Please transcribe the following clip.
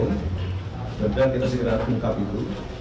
kemudian kita segera ungkap itu